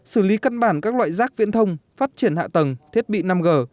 xử lý cân bản các loại giác viễn thông phát triển hạ tầng thiết bị năm g